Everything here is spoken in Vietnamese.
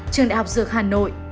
trường đại học dược hà nội